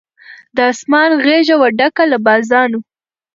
د آسمان غېږه وه ډکه له بازانو